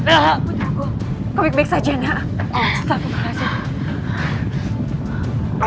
aku tunggu kau baik baik saja setelah aku mengalami kesulitan